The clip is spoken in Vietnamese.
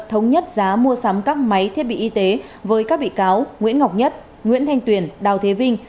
thống nhất giá mua sắm các máy thiết bị y tế với các bị cáo nguyễn ngọc nhất nguyễn thanh tuyền đào thế vinh